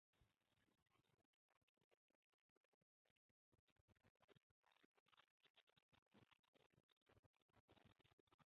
সেখানে তিনি গণিতে পাঠক্রম বহির্ভূত শিক্ষা নেন।